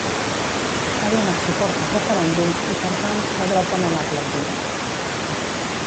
Ha donat suport al referèndum i, per tant, la dreta no l'ha aplaudit.